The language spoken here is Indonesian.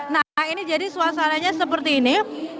nah ini jadi suasananya seperti ini